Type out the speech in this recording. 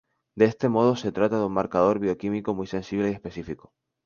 De este modo se trata de un marcador bioquímico muy sensible y específico.